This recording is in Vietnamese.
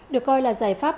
được coi là giải pháp